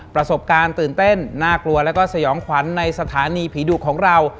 ประสบการณ์ตื่นเต้นน่ากลัวแล้วก็สยองขวัญในสถานีผีดุของเรา